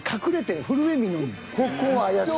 ここは怪しい。